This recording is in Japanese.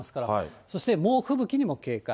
そして猛吹雪にも警戒。